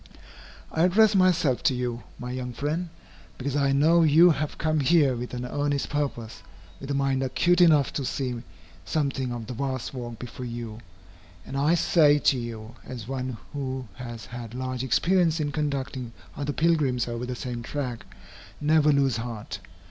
I address myself to you, my young friend, because I know you have come here with an earnest purpose, with a mind acute enough to see something of the vast work before you, and I say to you, as one who has had large experience in conducting other pilgrims over the same track, never lose heart.